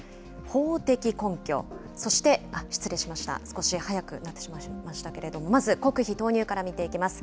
法的根拠、そして、失礼しました、少し早くなってしまいましたけれども、まず国費投入から見ていきます。